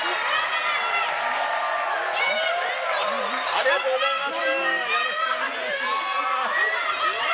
ありがとうございます。